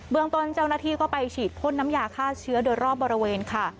เมืองต้นเจ้าหน้าที่ก็ไปฉีดพ่นน้ำยาฆ่าเชื้อโดยรอบบริเวณค่ะ